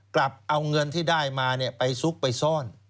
กลับเอาเงินที่ได้มาไปซุกไปซ่อน